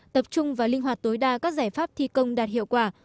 tập trung và linh hoạt tối đa các giải pháp thi công đạt hiệu quả